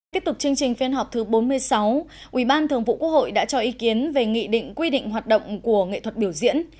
tiếp tục chương trình phiên họp thứ bốn mươi sáu ubthqh đã cho ý kiến về nghị định quy định hoạt động của nghệ thuật biểu diễn